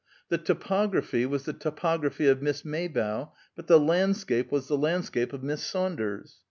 The topography was the topography of Miss Maybough, but the landscape was the landscape of Miss Saunders."